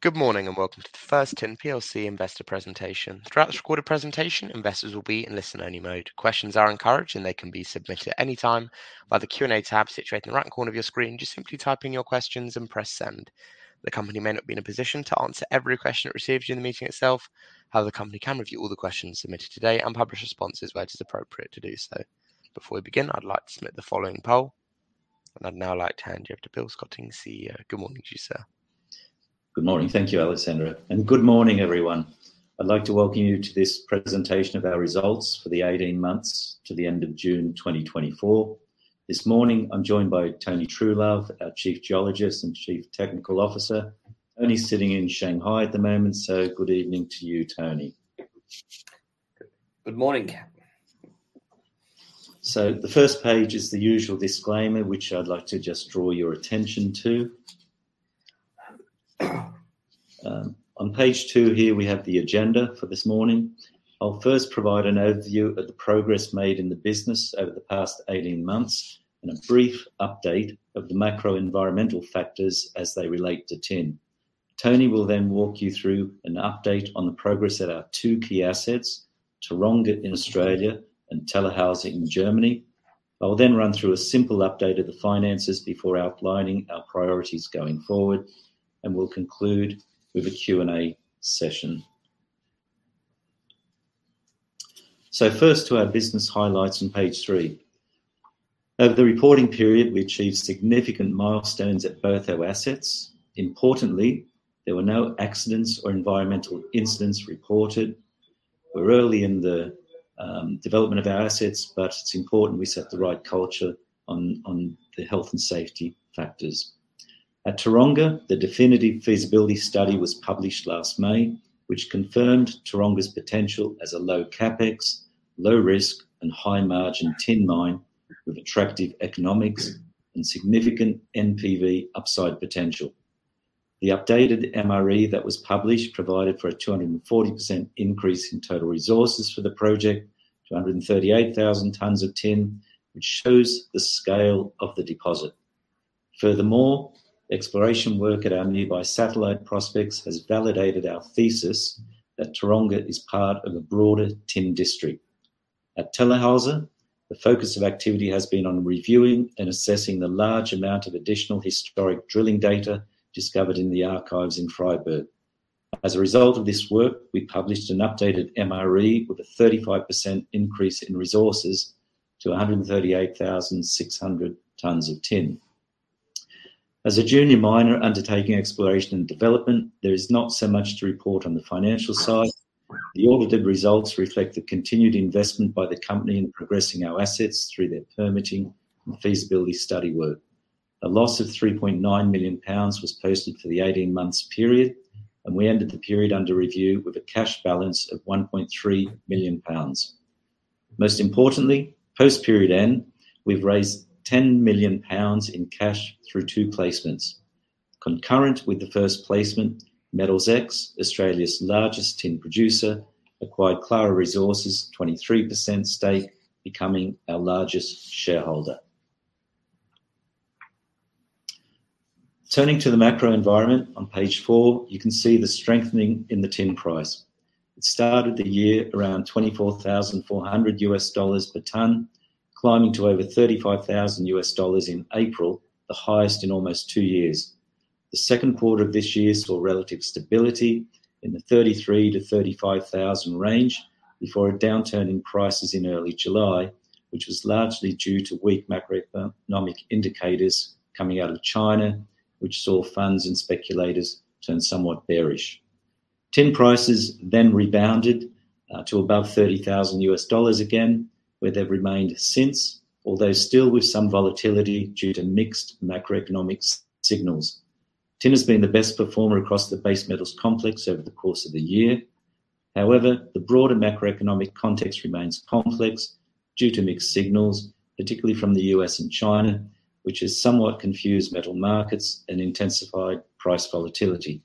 Good morning, and welcome to the First Tin Plc investor presentation. Throughout this recorded presentation, investors will be in listen-only mode. Questions are encouraged and they can be submitted at any time by the Q&A tab situated in the right corner of your screen. Just simply type in your questions and press Send. The company may not be in a position to answer every question it receives during the meeting itself. However, the company can review all the questions submitted today and publish responses where it is appropriate to do so. Before we begin, I'd like to submit the following poll. I'd now like to hand you over to Bill Scotting, CEO. Good morning to you, sir. Good morning. Thank you, Alessandra, and good morning, everyone. I'd like to welcome you to this presentation of our results for the 18 months to the end of June 2024. This morning, I'm joined by Tony Truelove, our Chief Geologist and Chief Technical Officer. Tony's sitting in Shanghai at the moment, so good evening to you, Tony. Good morning. The first page is the usual disclaimer, which I'd like to just draw your attention to. On page two here, we have the agenda for this morning. I'll first provide an overview of the progress made in the business over the past 18 months and a brief update of the macro environmental factors as they relate to tin. Tony will then walk you through an update on the progress at our two key assets, Taronga in Australia and Tellerhäuser in Germany. I will then run through a simple update of the finances before outlining our priorities going forward, and we'll conclude with a Q&A session. First to our business highlights on page three. Over the reporting period, we achieved significant milestones at both our assets. Importantly, there were no accidents or environmental incidents reported. We're early in the development of our assets, but it's important we set the right culture on the health and safety factors. At Taronga, the definitive feasibility study was published last May, which confirmed Taronga's potential as a low CapEx, low risk and high margin tin mine with attractive economics and significant NPV upside potential. The updated MRE that was published provided for a 240% increase in total resources for the project to 138,000 tons of tin, which shows the scale of the deposit. Furthermore, exploration work at our nearby satellite prospects has validated our thesis that Taronga is part of a broader tin district. At Tellerhäuser, the focus of activity has been on reviewing and assessing the large amount of additional historic drilling data discovered in the archives in Freiberg. As a result of this work, we published an updated MRE with a 35% increase in resources to 138,600 tons of tin. As a junior miner undertaking exploration and development, there is not so much to report on the financial side. The audited results reflect the continued investment by the company in progressing our assets through their permitting and feasibility study work. A loss of 3.9 million pounds was posted for the 18-month period, and we ended the period under review with a cash balance of 1.3 million pounds. Most importantly, post period end, we've raised 10 million pounds in cash through two placements. Concurrent with the first placement, Metals X, Australia's largest tin producer, acquired Clara Resources Australia's 23% stake, becoming our largest shareholder. Turning to the macro environment on page four, you can see the strengthening in the tin price. It started the year around $24,400 per ton, climbing to over $35,000 in April, the highest in almost two years. The second quarter of this year saw relative stability in the $33,000-$35,000 range before a downturn in prices in early July, which was largely due to weak macroeconomic indicators coming out of China, which saw funds and speculators turn somewhat bearish. Tin prices then rebounded to above $30,000 again, where they've remained since, although still with some volatility due to mixed macroeconomic signals. Tin has been the best performer across the base metals complex over the course of the year. However, the broader macroeconomic context remains complex due to mixed signals, particularly from the U.S. and China, which has somewhat confused metal markets and intensified price volatility.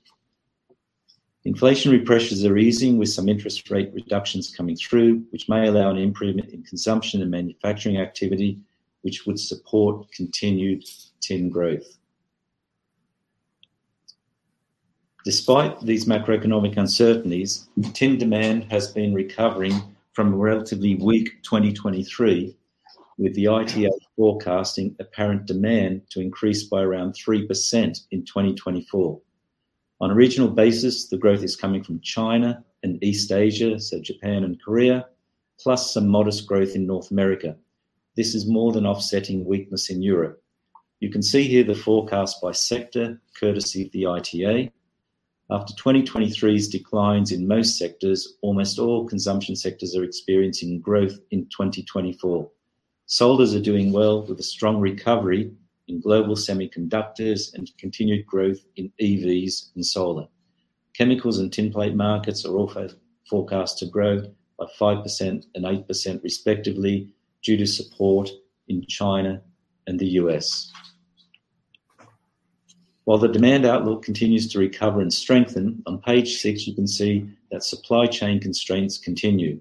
Inflationary pressures are easing with some interest rate reductions coming through, which may allow an improvement in consumption and manufacturing activity, which would support continued tin growth. Despite these macroeconomic uncertainties, tin demand has been recovering from a relatively weak 2023, with the ITA forecasting apparent demand to increase by around 3% in 2024. On a regional basis, the growth is coming from China and East Asia, so Japan and Korea, plus some modest growth in North America. This is more than offsetting weakness in Europe. You can see here the forecast by sector, courtesy of the ITA. After 2023's declines in most sectors, almost all consumption sectors are experiencing growth in 2024. Solders are doing well with a strong recovery in global semiconductors and continued growth in EVs and solar. Chemicals and tinplate markets are also forecast to grow by 5% and 8% respectively due to support in China and the U.S. While the demand outlook continues to recover and strengthen, on page six, you can see that supply chain constraints continue.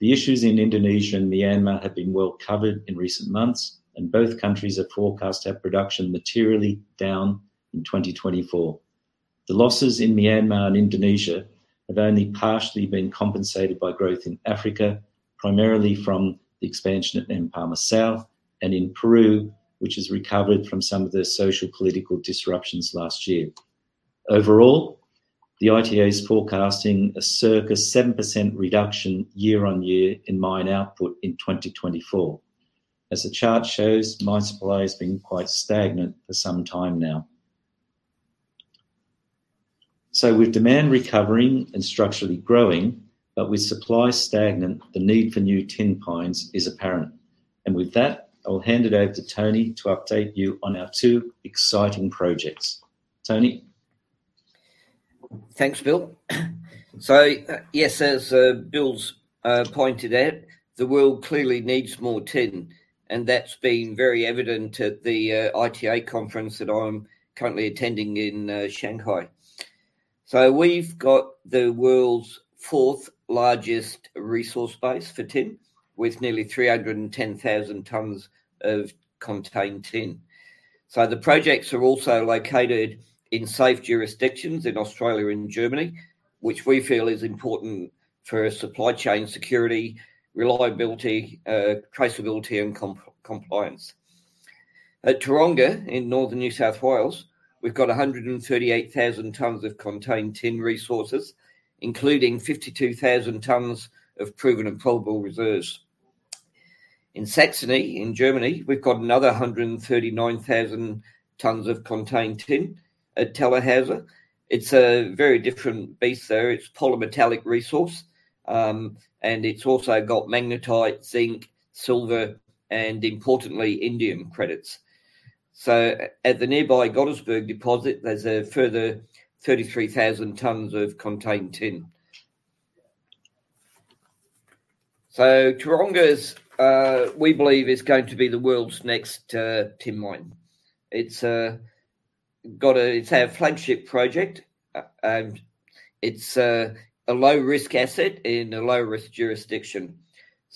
The issues in Indonesia and Myanmar have been well covered in recent months, and both countries are forecast to have production materially down in 2024. The losses in Myanmar and Indonesia have only partially been compensated by growth in Africa, primarily from the expansion at Mpama South and in Peru, which has recovered from some of the social political disruptions last year. Overall, the ITA is forecasting a circa 7% reduction year-on-year in mine output in 2024. As the chart shows, mine supply has been quite stagnant for some time now. With demand recovering and structurally growing, but with supply stagnant, the need for new tin mines is apparent. With that, I'll hand it over to Tony to update you on our two exciting projects. Tony. Thanks, Bill. Yes, as Bill's pointed out, the world clearly needs more tin, and that's been very evident at the ITA conference that I'm currently attending in Shanghai. We've got the world's fourth largest resource base for tin, with nearly 310,000 tons of contained tin. The projects are also located in safe jurisdictions in Australia and Germany, which we feel is important for supply chain security, reliability, traceability, and compliance. At Taronga in Northern New South Wales, we've got 138,000 tons of contained tin resources, including 52,000 tons of proven and probable reserves. In Saxony, in Germany, we've got another 139,000 tons of contained tin at Tellerhäuser. It's a very different beast there. It's polymetallic resource, and it's also got magnetite, zinc, silver, and importantly, indium credits. At the nearby Gottesberg deposit, there's a further 33,000 tons of contained tin. Taronga's, we believe, is going to be the world's next tin mine. It's our flagship project. It's a low-risk asset in a low-risk jurisdiction.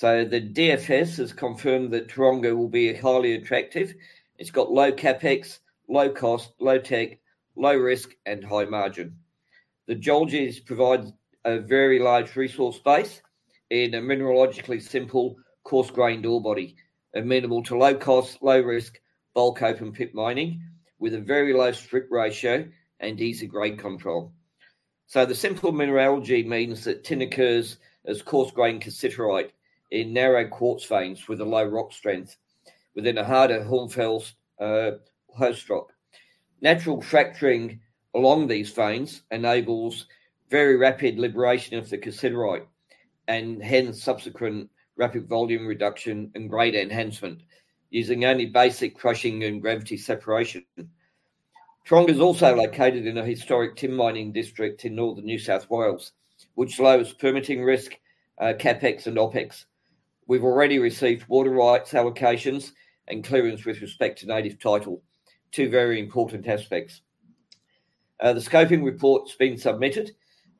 The DFS has confirmed that Taronga will be highly attractive. It's got low CapEx, low cost, low tech, low risk, and high margin. The geology provides a very large resource base in a mineralogically simple, coarse-grained ore body, amenable to low cost, low risk, bulk open pit mining with a very low strip ratio and easy grade control. The simple mineralogy means that tin occurs as coarse-grained cassiterite in narrow quartz veins with a low rock strength within a harder hornfels host rock. Natural fracturing along these veins enables very rapid liberation of the cassiterite and hence subsequent rapid volume reduction and grade enhancement using only basic crushing and gravity separation. Taronga is also located in a historic tin mining district in Northern New South Wales, which lowers permitting risk, CapEx and OpEx. We've already received water rights allocations and clearance with respect to Native Title. Two very important aspects. The scoping report's been submitted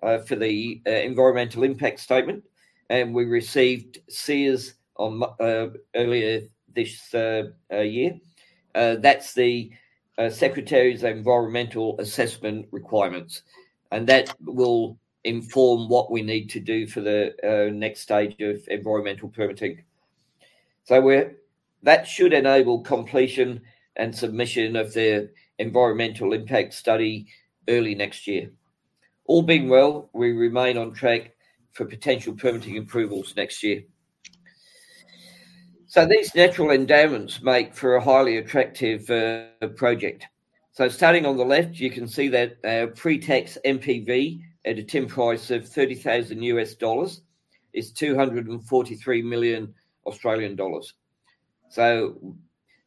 for the Environmental Impact Statement, and we received SEARs earlier this year. That's the Secretary's Environmental Assessment Requirements. That will inform what we need to do for the next stage of environmental permitting. That should enable completion and submission of the environmental impact study early next year. All being well, we remain on track for potential permitting approvals next year. These natural endowments make for a highly attractive project. Starting on the left, you can see that pre-tax NPV at a tin price of $30,000 is 243 million Australian dollars.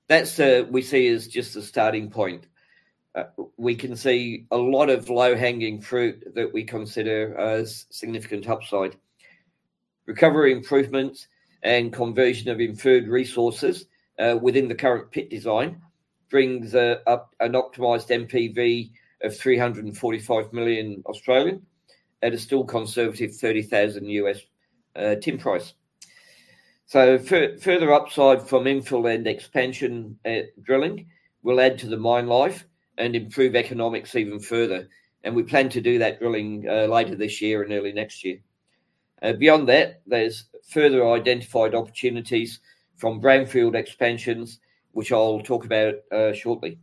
That's we see as just a starting point. We can see a lot of low-hanging fruit that we consider as significant upside. Recovery improvements and conversion of inferred resources within the current pit design brings up an optimized NPV of 345 million at a still conservative $30,000 tin price. Further upside from infill and expansion drilling will add to the mine life and improve economics even further. We plan to do that drilling later this year and early next year. Beyond that, there's further identified opportunities from brownfield expansions, which I'll talk about shortly.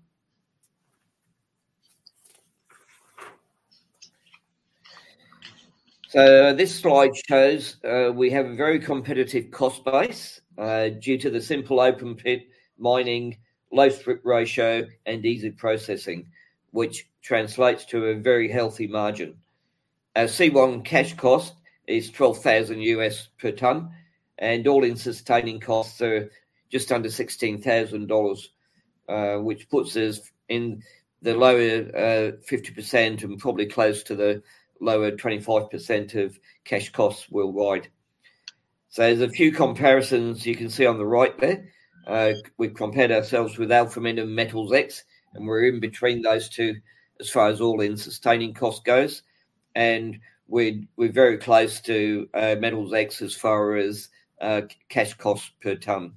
This slide shows we have a very competitive cost base, due to the simple open pit mining, low strip ratio, and easy processing, which translates to a very healthy margin. Our C1 cash cost is $12,000 per ton, and All-in sustaining costs are just under $16,000, which puts us in the lower 50% and probably close to the lower 25% of cash costs worldwide. There's a few comparisons you can see on the right there. We've compared ourselves with Alphamin and Metals X, and we're in between those two as far as all-in sustaining cost goes. We're very close to Metals X as far as cash cost per ton.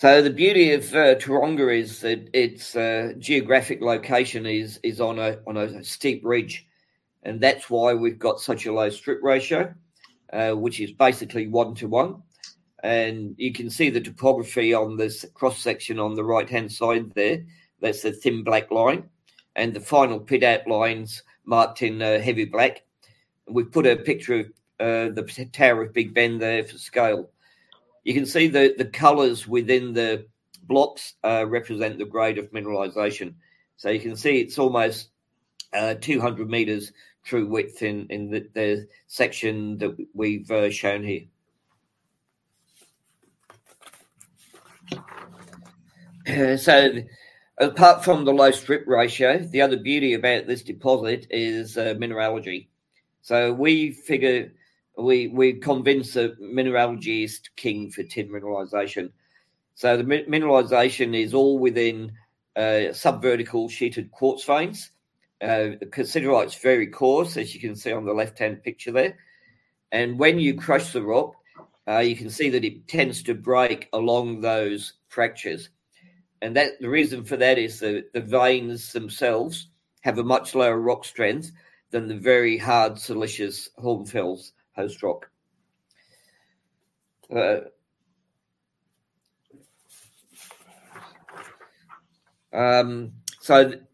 The beauty of Taronga is that it's geographic location is on a steep ridge, and that's why we've got such a low strip ratio, which is basically 1:1. You can see the topography on this cross-section on the right-hand side there. That's the thin black line, and the final pit outline marked in heavy black. We've put a picture of the tower of Big Ben there for scale. You can see the colors within the blocks represent the grade of mineralization. You can see it's almost 200 meters true width in the section that we've shown here. Apart from the low strip ratio, the other beauty about this deposit is mineralogy. We're convinced that mineralogy is king for tin mineralization. The mineralization is all within sub-vertical sheeted quartz veins. Consider how it's very coarse, as you can see on the left-hand picture there. When you crush the rock, you can see that it tends to break along those fractures. That is the reason for that, the veins themselves have a much lower rock strength than the very hard siliceous hornfels host rock.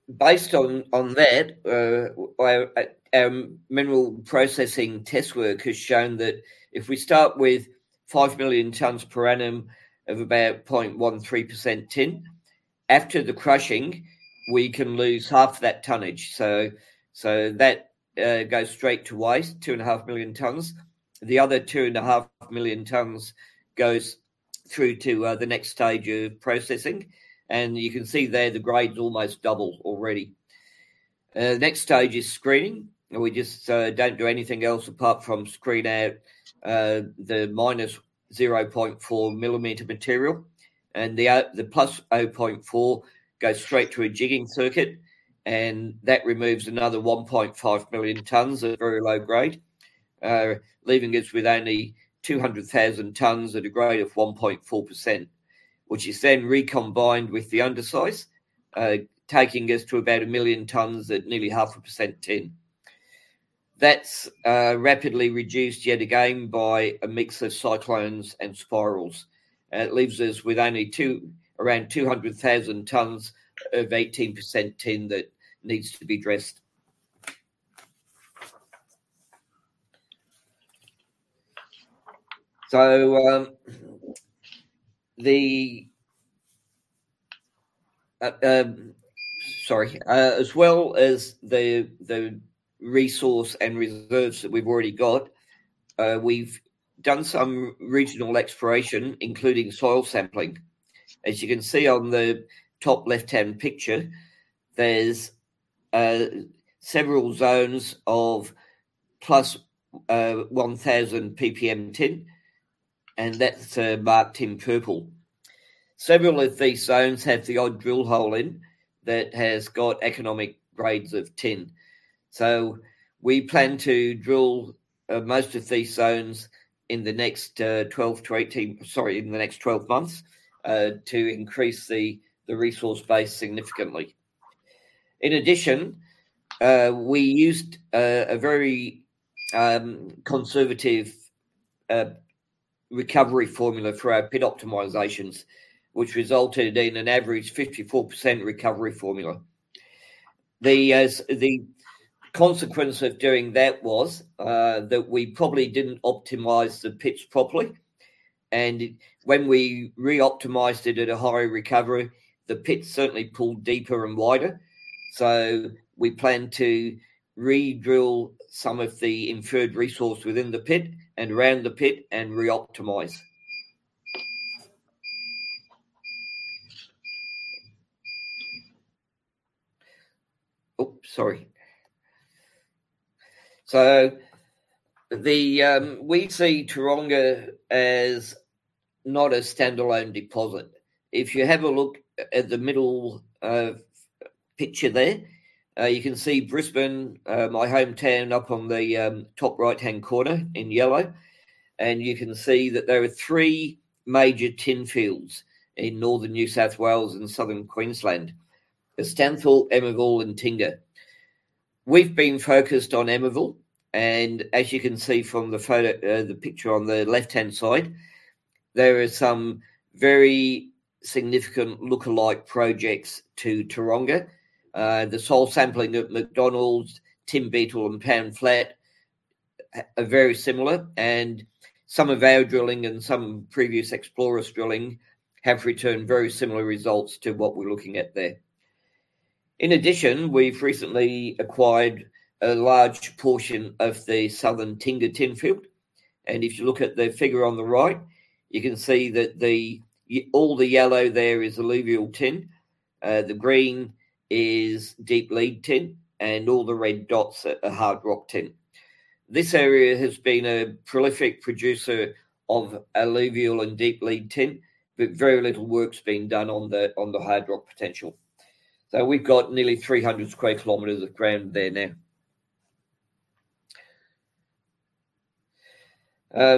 Based on that, mineral processing test work has shown that if we start with 5 million tons per annum of about 0.13% tin, after the crushing, we can lose half that tonnage. That goes straight to waste, 2.5 million tons. The other 2.5 million tons goes through to the next stage of processing. You can see there the grade almost doubles already. Next stage is screening. We just don't do anything else apart from screen out the minus 0.4 millimeter material. The plus 0.4 millimeter material goes straight to a jigging circuit, and that removes another 1.5 million tons of very low grade, leaving us with only 200,000 tons at a grade of 1.4%, which is then recombined with the undersize, taking us to about 1 million tons at nearly 0.5% tin. That's rapidly reduced yet again by a mix of cyclones and spirals. It leaves us with only around 200,000 tons of 18% tin that needs to be dressed. As well as the resource and reserves that we've already got, we've done some regional exploration, including soil sampling. As you can see on the top left-hand picture, there's several zones of plus 1,000 PPM tin, and that's marked in purple. Several of these zones have the odd drill hole in that has got economic grades of tin. We plan to drill most of these zones in the next 12 months to increase the resource base significantly. In addition, we used a very conservative recovery formula for our pit optimizations, which resulted in an average 54% recovery formula. The consequence of doing that was that we probably didn't optimize the pitch properly, and when we re-optimized it at a higher recovery, the pit certainly pulled deeper and wider. We plan to re-drill some of the inferred resource within the pit and around the pit and re-optimize. Oops, sorry. We see Taronga as not a standalone deposit. If you have a look at the middle picture there, you can see Brisbane, my hometown, up on the top right-hand corner in yellow. You can see that there are three major tin fields in Northern New South Wales and southern Queensland: Stanthorpe, Emmaville, and Tingha. We've been focused on Emmaville, and as you can see from the photo, the picture on the left-hand side, there are some very significant lookalike projects to Taronga. The soil sampling at McDonalds, Tin Beetle, and Pan Flat are very similar, and some of our drilling and some previous explorers' drilling have returned very similar results to what we're looking at there. In addition, we've recently acquired a large portion of the southern Tingha Tin Field. If you look at the figure on the right, you can see that all the yellow there is alluvial tin, the green is deep lead tin, and all the red dots are hard rock tin. This area has been a prolific producer of alluvial and deep lead tin, but very little work's been done on the hard rock potential. We've got nearly 300 sq km of ground there now.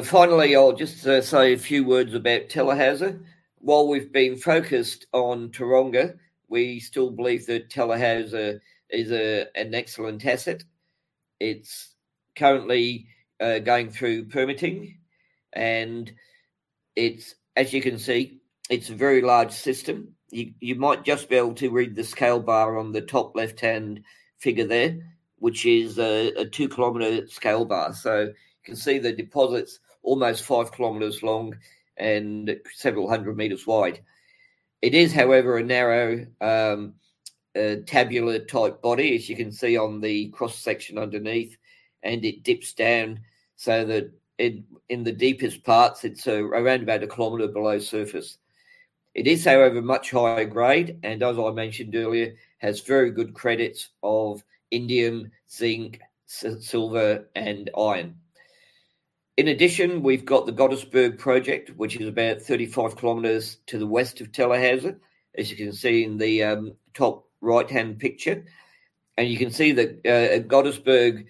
Finally, I'll just say a few words about Tellerhäuser. While we've been focused on Taronga, we still believe that Tellerhäuser is an excellent asset. It's currently going through permitting, and as you can see, it's a very large system. You might just be able to read the scale bar on the top left-hand figure there, which is a two-kilometer scale bar. So you can see the deposit's almost five kilometers long and several hundred meters wide. It is, however, a narrow, tabular-type body, as you can see on the cross-section underneath, and it dips down so that in the deepest parts, it's around about a kilometer below surface. It is, however, much higher grade and, as I mentioned earlier, has very good credits of indium, zinc, silver and iron. In addition, we've got the Gottesberg Project, which is about 35 kilometers to the west of Tellerhäuser, as you can see in the top right-hand picture. You can see that at Gottesberg,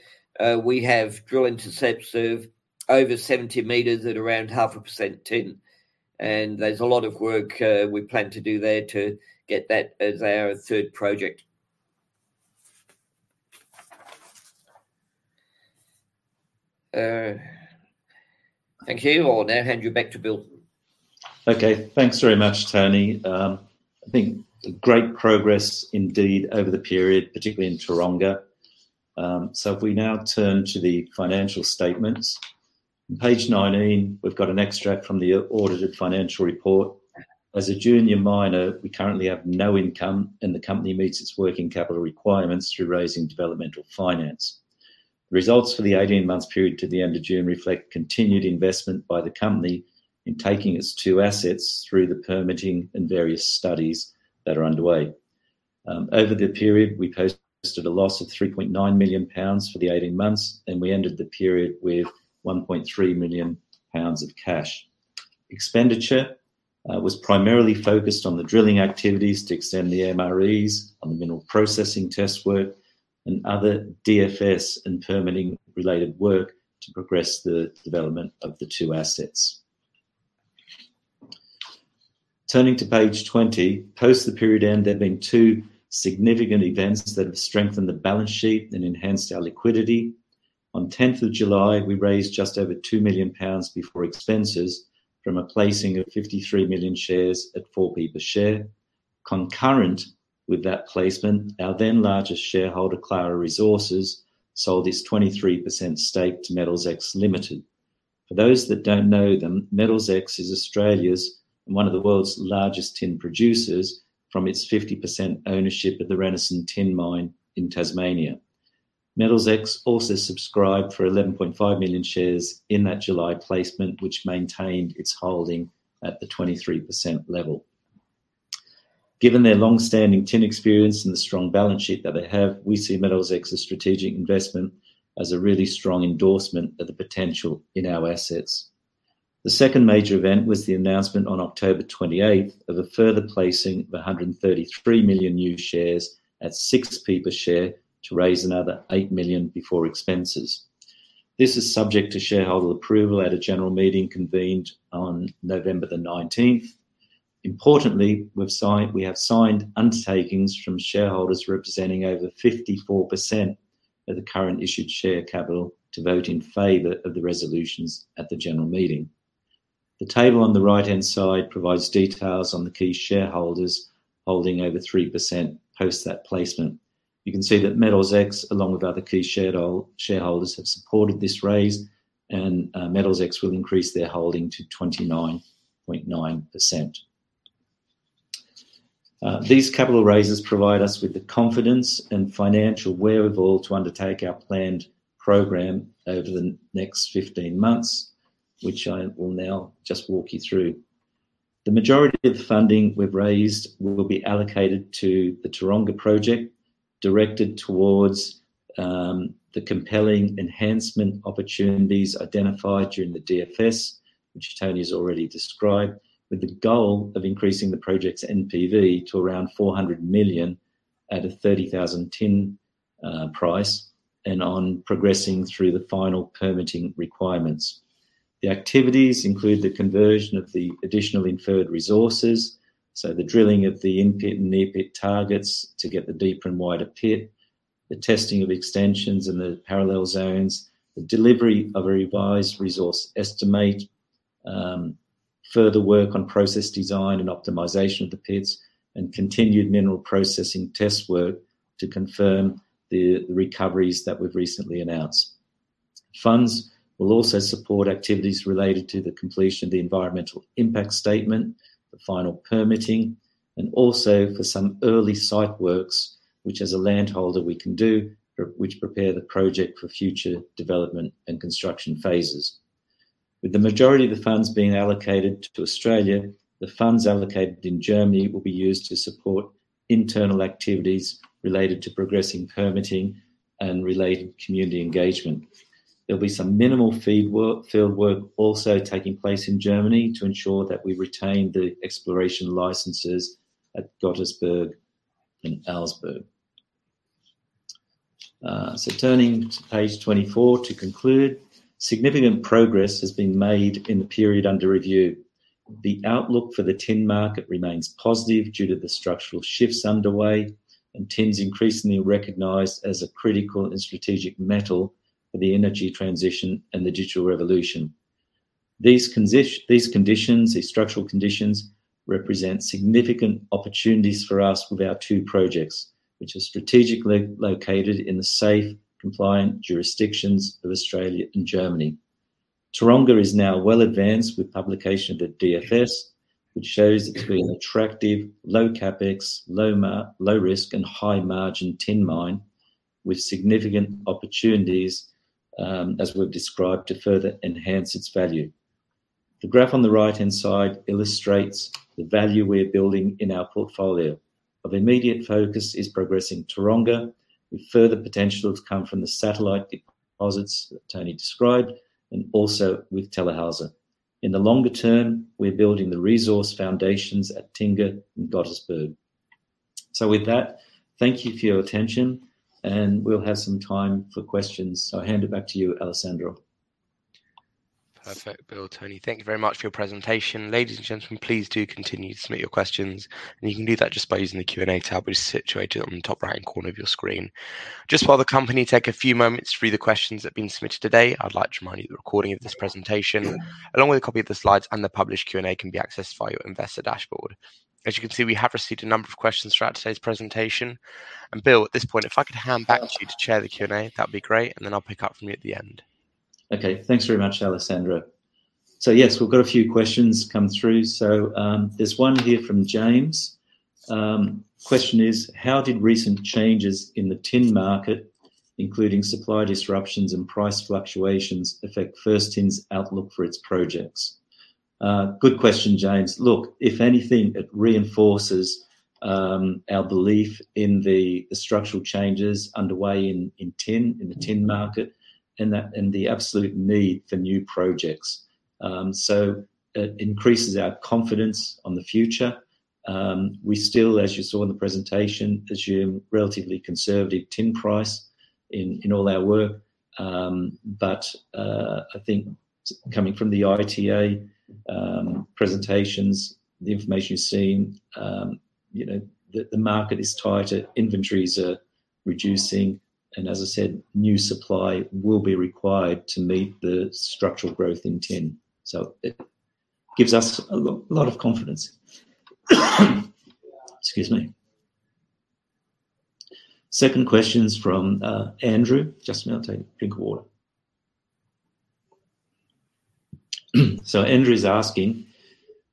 we have drill intercepts of over 70 meters at around 0.5% tin. There's a lot of work we plan to do there to get that as our third project. Thank you. I'll now hand you back to Bill. Okay. Thanks very much, Tony. I think great progress indeed over the period, particularly in Taronga. If we now turn to the financial statements. On page 19, we've got an extract from the audited financial report. As a junior miner, we currently have no income, and the company meets its working capital requirements through raising developmental finance. Results for the 18-month period to the end of June reflect continued investment by the company in taking its two assets through the permitting and various studies that are underway. Over the period, we posted a loss of 3.9 million pounds for the 18 months, and we ended the period with 1.3 million pounds of cash. Expenditure was primarily focused on the drilling activities to extend the MREs on the mineral processing test work and other DFS and permitting related work to progress the development of the two assets. Turning to page 20. Post the period end, there have been two significant events that have strengthened the balance sheet and enhanced our liquidity. On 10th of July, we raised just over 2 million pounds before expenses from a placing of 53 million shares at 4p per share. Concurrent with that placement, our then largest shareholder, Clara Resources Australia, sold its 23% stake to Metals X Limited. For those that don't know them, Metals X is Australia's and one of the world's largest tin producers from its 50% ownership of the Renison Tin Mine in Tasmania. Metals X also subscribed for 11.5 million shares in that July placement, which maintained its holding at the 23% level. Given their long-standing tin experience and the strong balance sheet that they have, we see Metals X's strategic investment as a really strong endorsement of the potential in our assets. The second major event was the announcement on October 28th of a further placing of 133 million new shares at 6 per share to raise another 8 million before expenses. This is subject to shareholder approval at a general meeting convened on November 19th. Importantly, we have signed undertakings from shareholders representing over 54% of the current issued share capital to vote in favor of the resolutions at the general meeting. The table on the right-hand side provides details on the key shareholders holding over 3% post that placement. You can see that Metals X, along with other key shareholders, have supported this raise, and Metals X will increase their holding to 29.9%. These capital raises provide us with the confidence and financial wherewithal to undertake our planned program over the next 15 months, which I will now just walk you through. The majority of the funding we've raised will be allocated to the Taronga project, directed towards the compelling enhancement opportunities identified during the DFS, which Tony has already described, with the goal of increasing the project's NPV to around $400 million at a $30,000 tin price and on progressing through the final permitting requirements. The activities include the conversion of the additional inferred resources, so the drilling of the in-pit and near-pit targets to get the deeper and wider pit, the testing of extensions in the parallel zones, the delivery of a revised resource estimate, further work on process design and optimization of the pits, and continued mineral processing test work to confirm the recoveries that we've recently announced. Funds will also support activities related to the completion of the Environmental Impact Statement, the final permitting, and also for some early site works, which as a land holder we can do, which prepare the project for future development and construction phases. With the majority of the funds being allocated to Australia, the funds allocated in Germany will be used to support internal activities related to progressing permitting and related community engagement. There'll be some minimal fieldwork also taking place in Germany to ensure that we retain the exploration licenses at Gottesberg and Auersberg. Turning to page 24 to conclude. Significant progress has been made in the period under review. The outlook for the tin market remains positive due to the structural shifts underway, and tin's increasingly recognized as a critical and strategic metal for the energy transition and the digital revolution. These conditions, these structural conditions represent significant opportunities for us with our two projects, which are strategically located in the safe, compliant jurisdictions of Australia and Germany. Taronga is now well advanced with publication of the DFS, which shows it to be an attractive low CapEx, low risk and high margin tin mine with significant opportunities, as we've described, to further enhance its value. The graph on the right-hand side illustrates the value we're building in our portfolio. Of immediate focus is progressing Taronga, with further potential to come from the satellite deposits that Tony described and also with Tellerhäuser. In the longer term, we're building the resource foundations at Tingha and Gottesberg. With that, thank you for your attention, and we'll have some time for questions. I hand it back to you, Alessandra. Perfect. Bill, Tony, thank you very much for your presentation. Ladies and gentlemen, please do continue to submit your questions, and you can do that just by using the Q&A tab, which is situated on the top right-hand corner of your screen. Just while the company take a few moments to read the questions that have been submitted today, I'd like to remind you the recording of this presentation, along with a copy of the slides and the published Q&A, can be accessed via your investor dashboard. As you can see, we have received a number of questions throughout today's presentation. Bill, at this point, if I could hand back to you to chair the Q&A, that'd be great, and then I'll pick up from you at the end. Okay. Thanks very much, Alessandra. Yes, we've got a few questions come through. There's one here from James. Question is: How did recent changes in the tin market, including supply disruptions and price fluctuations, affect First Tin's outlook for its projects? Good question, James. Look, if anything, it reinforces our belief in the structural changes underway in tin, in the tin market, and the absolute need for new projects. It increases our confidence on the future. We still, as you saw in the presentation, assume relatively conservative tin price in all our work. But I think coming from the ITA presentations, the information you've seen, you know, the market is tighter, inventories are reducing, and as I said, new supply will be required to meet the structural growth in tin. It gives us a lot of confidence. Excuse me. Second question's from Andrew. Just a minute. I'll take a drink of water. Andrew is asking: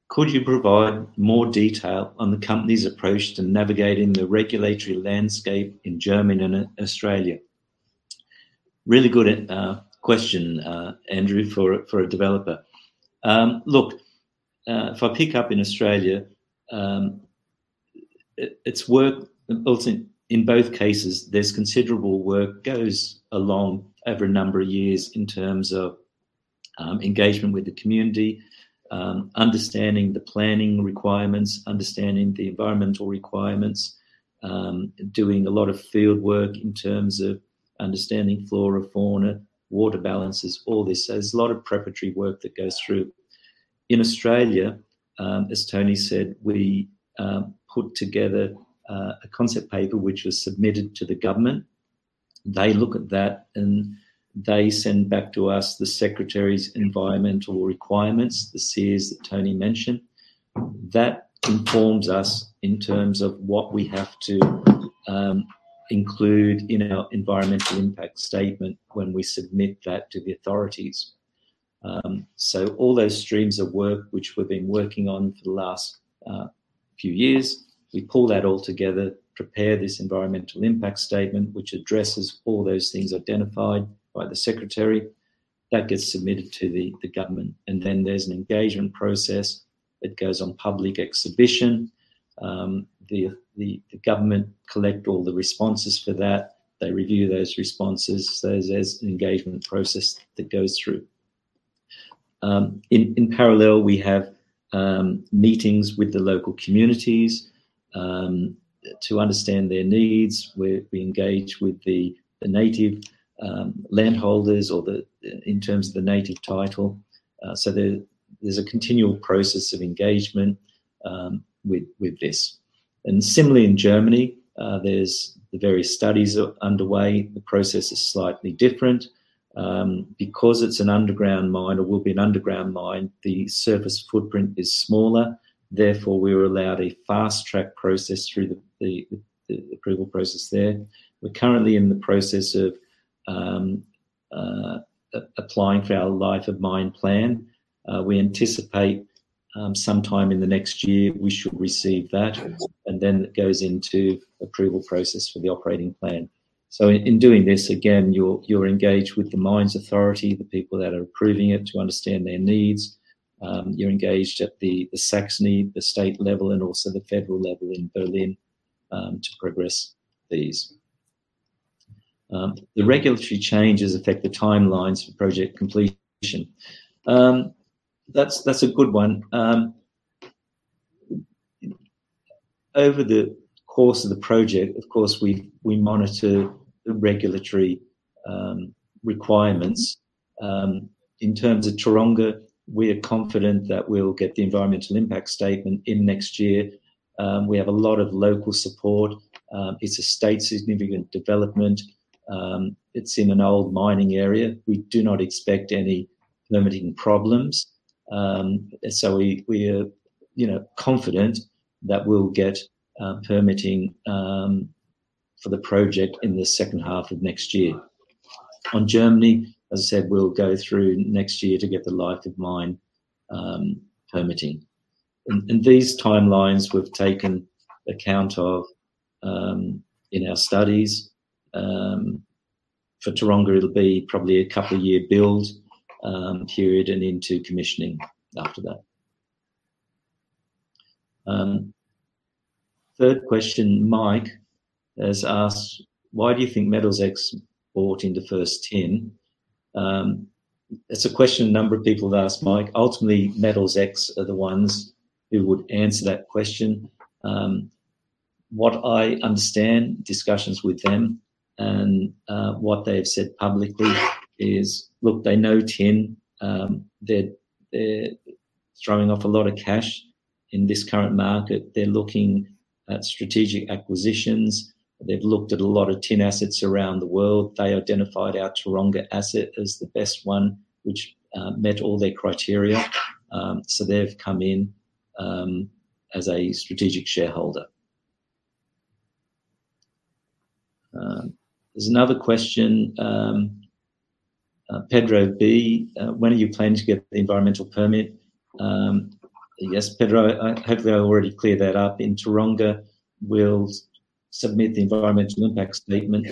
Could you provide more detail on the company's approach to navigating the regulatory landscape in Germany and Australia? Really good question, Andrew, for a developer. Look, if I pick up in Australia. In both cases, there's considerable work goes along over a number of years in terms of engagement with the community, understanding the planning requirements, understanding the environmental requirements, doing a lot of field work in terms of understanding flora, fauna, water balances, all this. There's a lot of preparatory work that goes through. In Australia, as Tony said, we put together a concept paper which was submitted to the government. They look at that, and they send back to us the Secretary's environmental requirements, the SEARs that Tony mentioned. That informs us in terms of what we have to include in our Environmental Impact Statement when we submit that to the authorities. All those streams of work which we've been working on for the last few years, we pull that all together, prepare this Environmental Impact Statement, which addresses all those things identified by the secretary. That gets submitted to the government. There's an engagement process. It goes on public exhibition. The government collect all the responses for that. They review those responses. There's an engagement process that goes through. In parallel, we have meetings with the local communities to understand their needs. We engage with the native land holders in terms of the Native Title. There's a continual process of engagement with this. Similarly, in Germany, there's various studies underway. The process is slightly different. Because it's an underground mine, or will be an underground mine, the surface footprint is smaller; therefore, we were allowed a fast-track process through the approval process there. We're currently in the process of applying for our life of mine plan. We anticipate sometime in the next year, we should receive that. Then it goes into approval process for the operating plan. In doing this, again, you're engaged with the mines authority, the people that are approving it to understand their needs. You're engaged at the Saxony, the state level, and also the federal level in Berlin to progress these. The regulatory changes affect the timelines for project completion. That's a good one. Over the course of the project, of course, we monitor the regulatory requirements. In terms of Taronga, we're confident that we'll get the Environmental Impact Statement in next year. We have a lot of local support. It's a State Significant Development. It's in an old mining area. We do not expect any limiting problems. So we are, you know, confident that we'll get permitting for the project in the second half of next year. On Germany, as I said, we'll go through next year to get the life of mine permitting. These timelines we've taken account of in our studies. For Taronga, it'll be probably a couple year build period and into commissioning after that. Third question Mike has asked, "Why do you think Metals X bought into First Tin?" It's a question a number of people have asked, Mike. Ultimately, Metals X are the ones who would answer that question. What I understand, discussions with them, and what they've said publicly is, look, they know tin. They're throwing off a lot of cash in this current market. They're looking at strategic acquisitions. They've looked at a lot of tin assets around the world. They identified our Taronga asset as the best one, which met all their criteria. They've come in as a strategic shareholder. There's another question, Pedro B. When are you planning to get the environmental permit?" Yes, Pedro, hopefully I already cleared that up. In Taronga, we'll submit the Environmental Impact Statement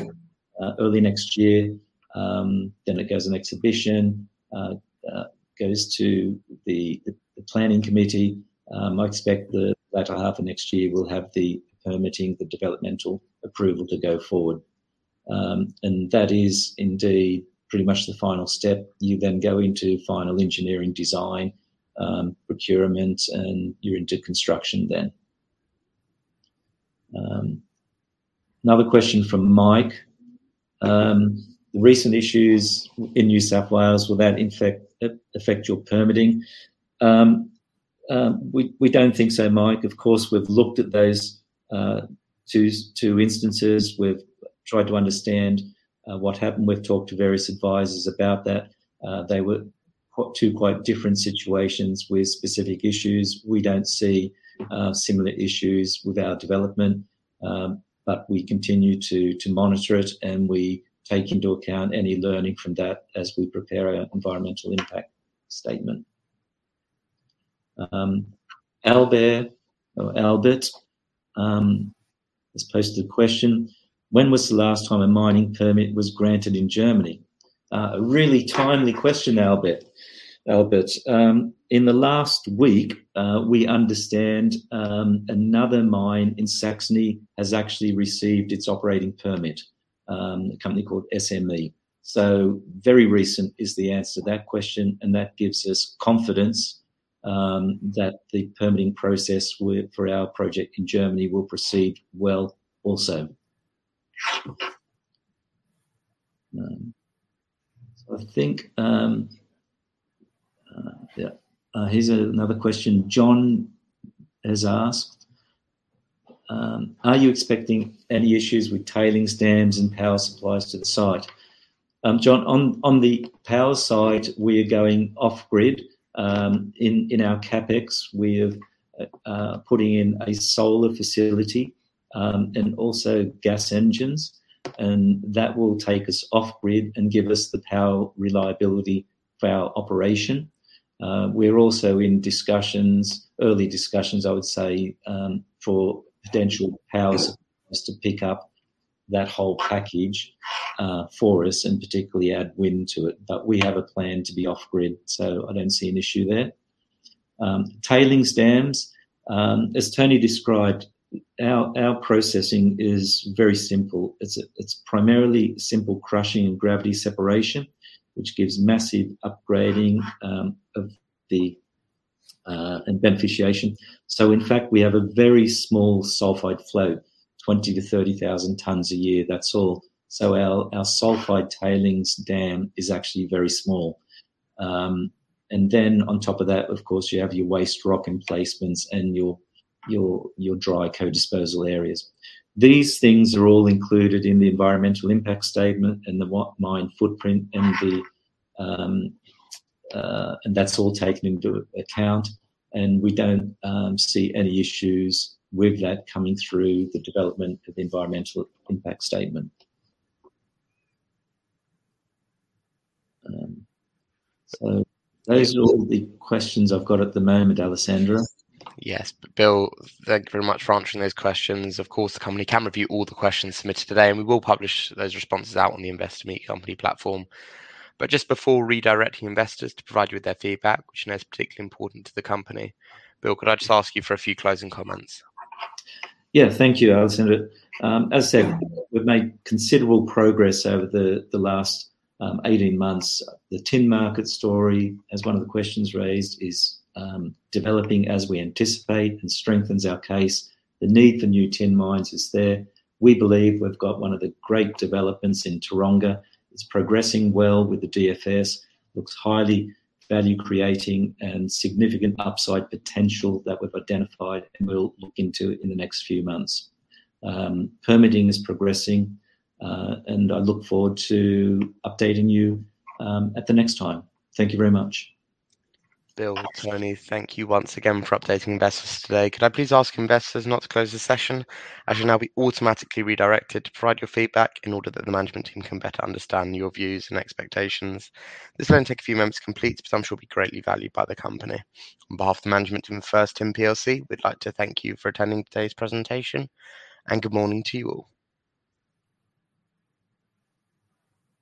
early next year. Then it goes on exhibition. It goes to the Planning Committee. I expect the latter half of next year, we'll have the permitting, the developmental approval to go forward. That is indeed pretty much the final step. You then go into final engineering design, procurement, and you're into construction then. Another question from Mike. "The recent issues in New South Wales, will that affect your permitting?" We don't think so, Mike. Of course, we've looked at those two instances. We've tried to understand what happened. We've talked to various advisors about that. They were two quite different situations with specific issues. We don't see similar issues with our development. We continue to monitor it, and we take into account any learning from that as we prepare our environmental impact statement. Albert has posted a question. "When was the last time a mining permit was granted in Germany?" A really timely question, Albert. In the last week, we understand another mine in Saxony has actually received its operating permit, a company called SME. Very recent is the answer to that question, and that gives us confidence that the permitting process for our project in Germany will proceed well also. I think, yeah. Here's another question John has asked. Are you expecting any issues with tailings dams and power supplies to the site?" John, on the power side, we are going off grid. In our CapEx, we're putting in a solar facility, and also gas engines. That will take us off grid and give us the power reliability for our operation. We're also in discussions, early discussions, I would say, for potential partners to pick up that whole package, for us and particularly add wind to it. We have a plan to be off grid, so I don't see an issue there. Tailings dams. As Tony described, our processing is very simple. It's primarily simple crushing and gravity separation, which gives massive upgrading of the ore and beneficiation. In fact, we have a very small sulfide flow, 20,000 tons-30,000 tons a year, that's all. Our sulfide tailings dam is actually very small. Then on top of that, of course, you have your waste rock emplacements and your dry co-disposal areas. These things are all included in the Environmental Impact Statement and the waste mine footprint and that's all taken into account. We don't see any issues with that coming through the development of the Environmental Impact Statement. Those are all the questions I've got at the moment, Alessandra. Yes. Bill, thank you very much for answering those questions. Of course, the company can review all the questions submitted today, and we will publish those responses out on the Investor Meet Company platform. Just before redirecting investors to provide you with their feedback, which you know is particularly important to the company, Bill, could I just ask you for a few closing comments? Yeah. Thank you, Alessandra. As I said, we've made considerable progress over the last 18 months. The tin market story, as one of the questions raised, is developing as we anticipate and strengthens our case. The need for new tin mines is there. We believe we've got one of the great developments in Taronga. It's progressing well with the DFS. Looks highly value-creating and significant upside potential that we've identified and we'll look into in the next few months. Permitting is progressing, and I look forward to updating you at the next time. Thank you very much. Bill, Tony, thank you once again for updating investors today. Could I please ask investors now to close the session, as you'll now be automatically redirected to provide your feedback in order that the management team can better understand your views and expectations. This will only take a few moments to complete, but I'm sure it'll be greatly valued by the company. On behalf of the management team at First Tin Plc, we'd like to thank you for attending today's presentation, and good morning to you all.